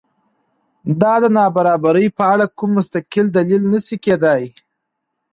دا د نابرابرۍ په اړه کوم مستقل دلیل نه شي کېدای.